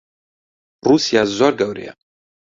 ڕووسیا زۆر گەورەیە.